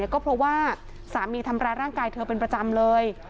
ก็เพราะว่าสามีทำร้ายร่างกายเธอเป็นประจำเลย